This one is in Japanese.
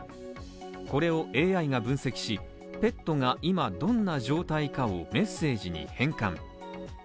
これをＡＩが分析し、ペットが今どんな状態かをメッセージに変換。